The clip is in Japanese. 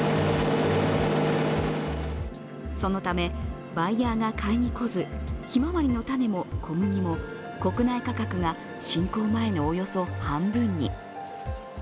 そのため、バイヤーが買いに来ずひまわりの種も小麦も国内価格が侵攻前のおよそ半分に。